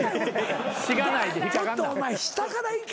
ちょっとお前下からいけ。